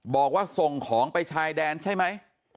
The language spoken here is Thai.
บอกว่าส่งของไปชายแดนใช่ไหม